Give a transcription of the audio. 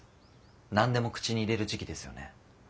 何でも口に入れる時期ですよね。